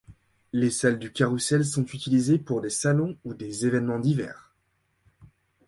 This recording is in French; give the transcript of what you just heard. Les Salles du Carrousel sont utilisées pour des salons ou des événements divers.